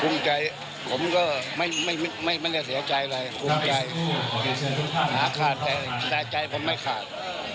คุณใจหาคาทเสียใจผมไม่ขาด